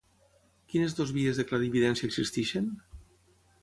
Quines dues vies de clarividència existeixen?